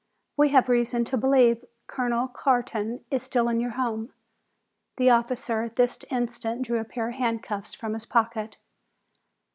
We have reason to believe Colonel Carton is still in your house." The officer at this instant drew a pair of handcuffs from his pocket.